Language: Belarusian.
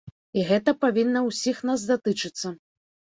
І гэта павінна ўсіх нас датычыцца.